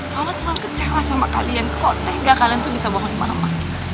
mama cuman kecewa sama kalian kok tega kalian tuh bisa bohongin mama